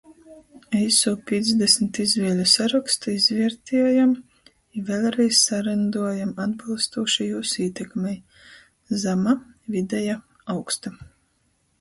Eisū pīcdesmit izvieļu sarokstu izviertiejom i vēļreiz sarynduojom atbylstūši jūs ītekmei: zama, videja, augsta.